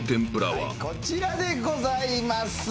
こちらでございます。